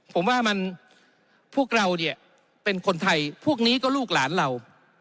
ผมว่ามันพวกเราเนี่ยเป็นคนไทยพวกนี้ก็ลูกหลานเรา